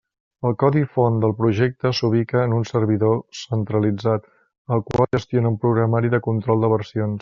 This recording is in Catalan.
El codi font del projecte s'ubica en un servidor centralitzat, el qual gestiona un programari de control de versions.